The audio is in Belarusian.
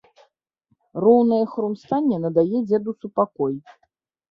Роўнае хрумстанне надае дзеду супакой.